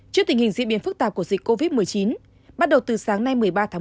trước tình hình diễn biến phức tạp của dịch covid một mươi chín bắt đầu từ sáng nay một mươi ba tháng một mươi